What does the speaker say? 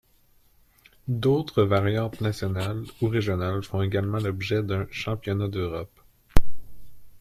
D'autres variantes nationales ou régionales font également l'objet d'un championnat d'Europe.